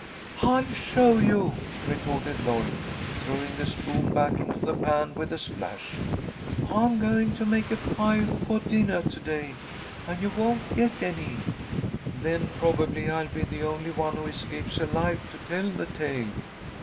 "I'll show you," retorted Lloyd, throwing the spoon back into the pan with a splash. "I'm going to make a pie foh dinnah to day, and you won't get any." "Then probably I'll be the only one who escapes alive to tell the tale.